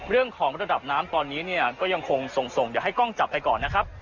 เรื่องของระดับน้ำตอนนี้เนี่ยก็ยังคงส่งเดี๋ยวให้กล้องจับไปก่อนนะครับ